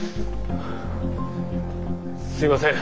すいません。